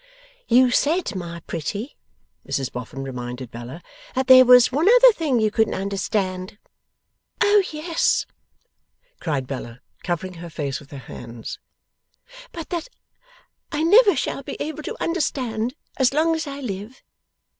'You said, my pretty,' Mrs Boffin reminded Bella, 'that there was one other thing you couldn't understand.' 'O yes!' cried Bella, covering her face with her hands; 'but that I never shall be able to understand as long as I live.